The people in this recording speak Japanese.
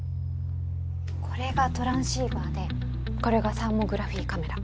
これがトランシーバーでこれがサーモグラフィーカメラ。